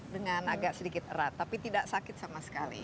dengan agak sedikit erat tapi tidak sakit sama sekali